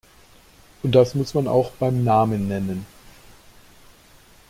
Und das muss man auch beim Namen nennen.